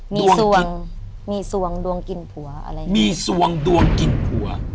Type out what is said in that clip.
มีสวงดวงกินผัวมีสวงดวงกินผัว